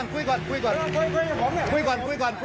คุยก่อน